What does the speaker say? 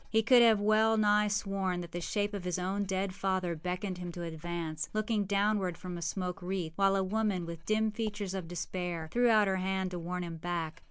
He could have well nigh sworn that the shape of his own dead father beckoned him to advance, looking downward from a smoke wreath, while a woman, with dim features of despair, threw out her hand to warn him back.